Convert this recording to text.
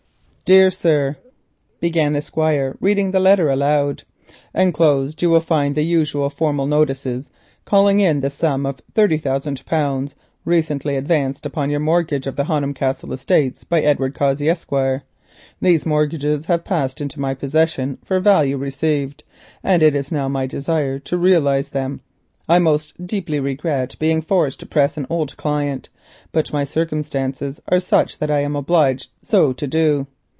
"Dear Sir," began the Squire, reading the letter aloud,— "Inclosed you will find the usual formal notices calling in the sum of thirty thousand pounds recently advanced upon the mortgage of the Honham Castle Estates by Edward Cossey, Esq. These mortgages have passed into my possession for value received, and it is now my desire to realise them. I most deeply regret being forced to press an old client, but my circumstances are such that I am obliged to do so.